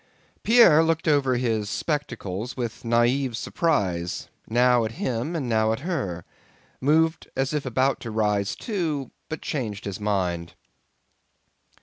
Pierre looked over his spectacles with naïve surprise, now at him and now at her, moved as if about to rise too, but changed his mind.